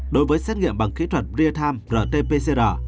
đối với xét nghiệm bằng kỹ thuật real time rt pcr